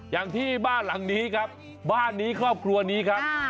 อย่างที่บ้านหลังนี้ครับบ้านนี้ครอบครัวนี้ครับ